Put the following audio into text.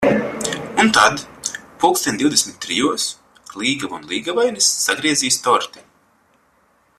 Un tad, pulkstens divdesmit trijos, līgava un līgavainis sagriezīs torti.